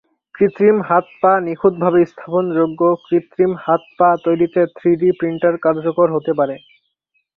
কৃত্রিম হাত-পা নিখুঁতভাবে স্থাপনযোগ্য কৃত্রিম হাত-পা তৈরিতে থ্রিডি প্রিন্টার কার্যকর হতে পারে।